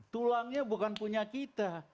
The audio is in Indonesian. tulangnya bukan punya kita